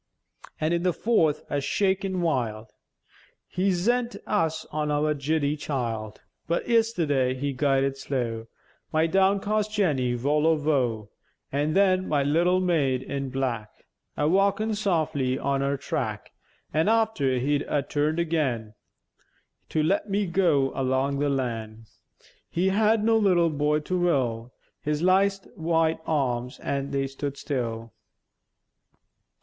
An' in the fourth, a sheäken wild, He zent us on our giddy child. But eesterday he guided slow My downcast Jenny, vull o' woe, An' then my little maïd in black, A walken softly on her track; An' after he'd a turn'd ageän, To let me goo along the leäne, He had noo little bwoy to vill His last white eärms, an' they stood still.